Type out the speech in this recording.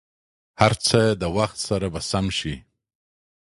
هر څه د وخت سره به سم شي.